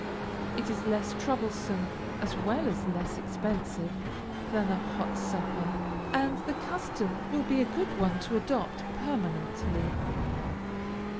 It is less troublesome, as well as less expensive, than a hot supper, and the custom will be a good one to adopt permanently.